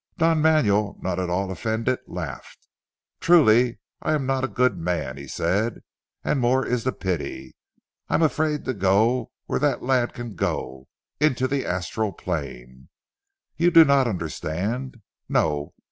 Don Manuel not at all offended laughed. "True I am not a good man," he said, "and more is the pity. I am afraid to go where that lad can go into the astral plane. You do not understand? No!